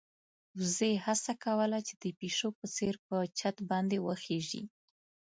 وزې هڅه کوله چې د پيشو په څېر په چت باندې وخېژي.